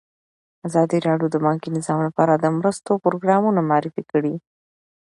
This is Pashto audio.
ازادي راډیو د بانکي نظام لپاره د مرستو پروګرامونه معرفي کړي.